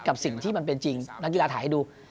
กับสิ่งที่มันเป็นจริงนักกีฬาถ่ายให้ดู